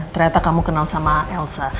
ternyata kamu kenal sama elsa